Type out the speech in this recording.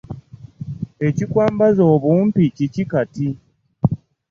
Ekikwambaza obumpi kiki kati?